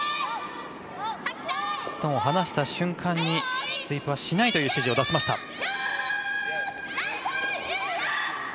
ストーンを放した瞬間にスイープはしないという指示を出しました。